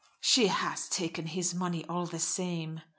"She has taken his money all the same."